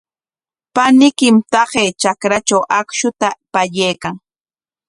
Paniykim taqay trakratraw akshuta pallaykan.